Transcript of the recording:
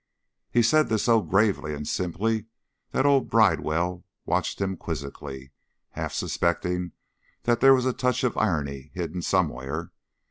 He said this so gravely and simply that old Bridewell watched him quizzically, half suspecting that there was a touch of irony hidden somewhere.